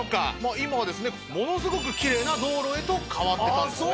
今はものすごくキレイな道路へと変わってたんですね。